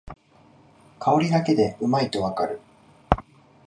香りだけでうまいとわかる